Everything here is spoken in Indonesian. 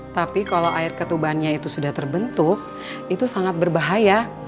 tapi kalau air ketubannya itu sudah terbentuk itu sangat berbahaya